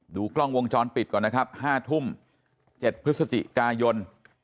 ดูกล้องวงจรปิดก่อนนะครับ๕ทุ่ม๗พฤศจิกายน